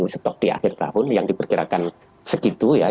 stok di akhir tahun yang diperkirakan segitu ya